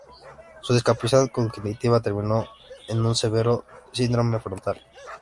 Su discapacidad cognitiva terminó en un severo síndrome frontal.